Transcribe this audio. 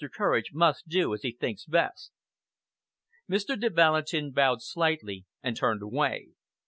Courage must do as he thinks best." Mr. de Valentin bowed slightly, and turned away.